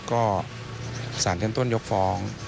ก็สารเท่นต้นยกฟอง